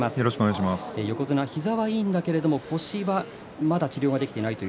横綱、膝はいいんだけれども腰がまだ治療ができていないと。